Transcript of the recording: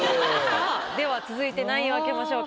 さぁでは続いて何位を開けましょうか？